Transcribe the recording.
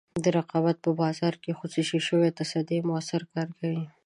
د رقابت په بازار کې خصوصي شوې تصدۍ موثر کار کوي.